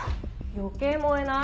余計燃えない？